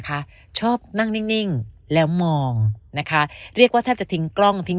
คะชอบนั่งนิ่งแล้วมองนะคะเรียกว่าแทบจะทิ้งกล้องทิ้ง